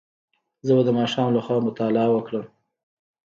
زه به د ماښام له خوا مطالعه وکړم.